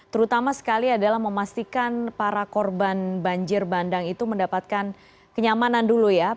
terutama sekali adalah memastikan para korban banjir bandang itu mendapatkan kenyamanan dulu ya